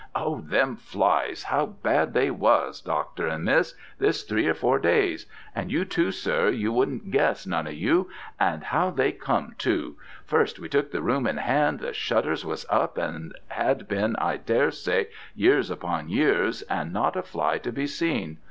"'Oh them flies, how bad they was, Doctor and Miss, this three or four days: and you, too, sir, you wouldn't guess, none of you! And how they come, too! First we took the room in hand, the shutters was up, and had been, I daresay, years upon years, and not a fly to be seen.